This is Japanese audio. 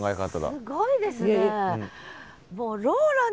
すごいですね。